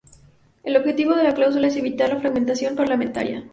El objetivo de la cláusula es evitar la fragmentación parlamentaria.